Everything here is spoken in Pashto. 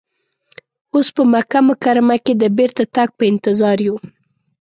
اوس په مکه مکرمه کې د بیرته تګ په انتظار یو.